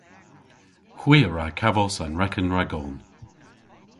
Hwi a wra kavos an reken ragon.